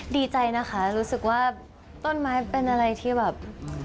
ดีใจนะคะรู้สึกว่าต้นไม้เป็นอะไรที่แบบ